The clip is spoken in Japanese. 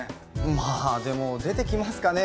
まあでも出てきますかね